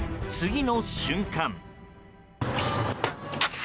次の瞬間。